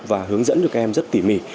và hướng dẫn cho các em rất tỉ mỉ